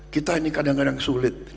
kita ini kadang kadang sulit